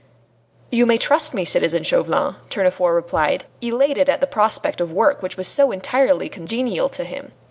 "You may trust me, citizen Chauvelin," Tournefort replied, elated at the prospect of work which was so entirely congenial to him.